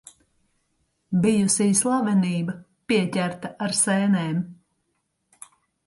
Bijusī slavenība pieķerta ar sēnēm.